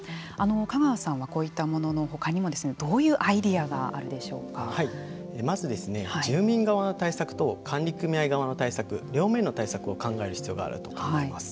香川さんはこういったものの他にもどういうアイデアがまず、住民側の対策と管理組合の対策両面の対策を考える必要があると思います。